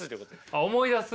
あ思い出す。